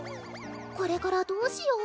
これからどうしよう？